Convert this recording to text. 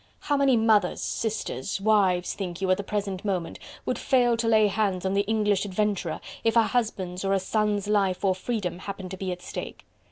How many mothers, sisters, wives, think you, at the present moment, would fail to lay hands on the English adventurer, if a husband's or a son's life or freedom happened to be at stake?...